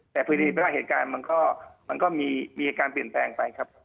แต่ภูมิในประหลาดเหตุการณ์มันก็มีอาการเปลี่ยนแปลงไปครับ